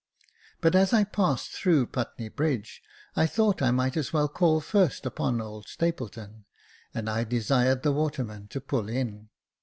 But as I passed through Putney Bridge, I thought I might as well call first upon old Stapleton ; and I desired the water man to pull in.